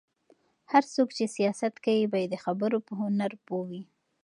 هر څوک چې سياست کوي، باید د خبرو په هنر پوه وي.